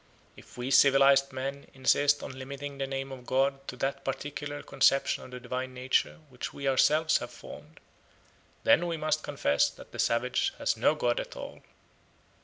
If we civilised men insist on limiting the name of God to that particular conception of the divine nature which we ourselves have formed, then we must confess that the savage has no god at all.